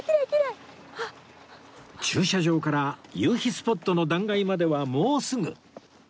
駐車場から夕日スポットの断崖まではもうすぐ